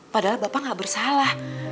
padahal bapak gak bersalah